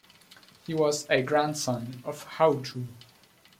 He was a grandson of Houtu.